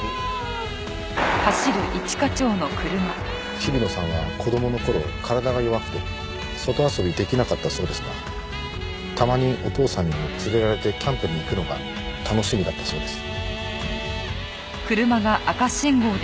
日比野さんは子供の頃体が弱くて外遊びできなかったそうですがたまにお父さんに連れられてキャンプに行くのが楽しみだったそうです。